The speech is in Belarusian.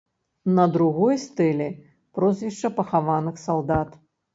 На другой стэле прозвішча пахаваных салдат.